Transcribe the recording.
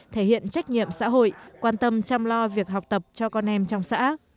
thể hiện trách nhiệm xã hội quan tâm chăm lo việc học tập cho con em trong xã